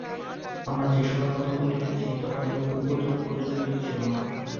আমরা যে সময়ের কথা বলিতেছি তখন এরূপ উপদ্রব প্রচলিত ছিল না।